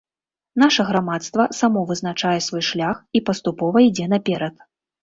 Наша грамадства само вызначае свой шлях і паступова ідзе наперад.